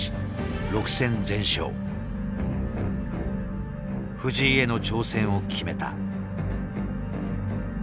藤井への挑戦を決めた。